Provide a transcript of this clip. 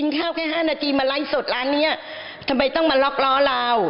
ข้าวแค่๕นาทีมาไลฟ์สดร้านนี้ทำไมต้องมาล็อกล้อเรา